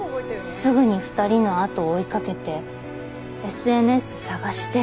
すぐに２人の後を追いかけてＳＮＳ探してフォローして。